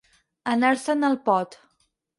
Anar-se'n al pot.